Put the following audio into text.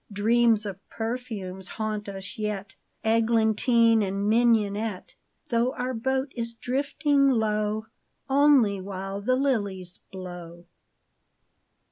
Dreams of perfumes haunt us yet, Eglantine and mignonette. Though our boat is drifting low Only while the liHes blow.